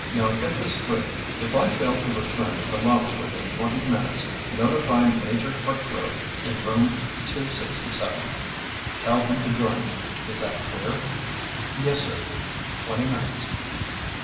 "Now get this straight. If I fail to return to the lobby within twenty minutes, notify Major Hartgrove in Room 267. Tell him to join me. Is that clear?" "Yes, sir. Twenty minutes."